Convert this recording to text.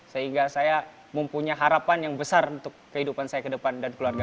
sehingga saya mempunyai harapan yang besar untuk kehidupan saya ke depan dan keluarga